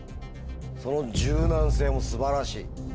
その柔軟性も素晴らしい。